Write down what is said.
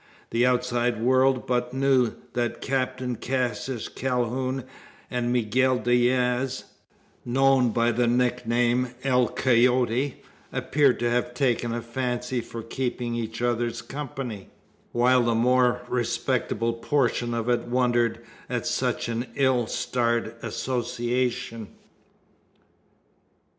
The outside world but knew that Captain Cassius Calhoun and Miguel Diaz known by the nickname "El Coyote," appeared to have taken a fancy for keeping each other's company; while the more respectable portion of it wondered at such an ill starred association.